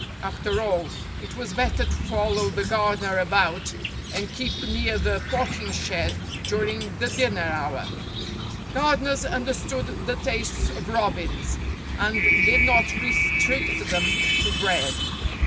After all, it was better to follow the gardener about and keep near the potting shed during the din ner hour; gardeners understood the tastes of robins, and did not restrict them to bread.